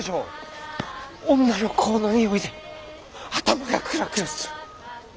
女の香のにおいで頭がクラクラする。